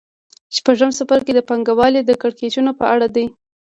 شپږم څپرکی د پانګوالۍ د کړکېچونو په اړه دی